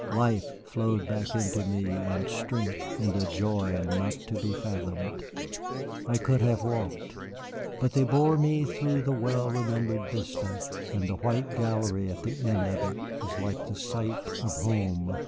Life flowed back into me, and strength, and a joy not to be fathomed. I could have walked; but they bore me through the well remembered vista, and the white gallery at the end of it was like the sight of home.